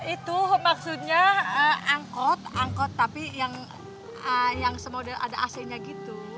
itu maksudnya angkot angkot tapi yang semodal ada ac nya gitu